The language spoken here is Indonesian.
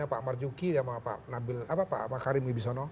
pak marjuki dan pak karim ibisono